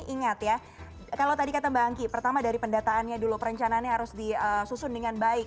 ingat ya kalau tadi kata mbak angki pertama dari pendataannya dulu perencanaannya harus disusun dengan baik